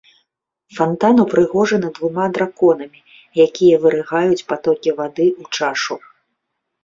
Фантан упрыгожаны двума драконамі, якія вырыгаюць патокі вады ў чашу.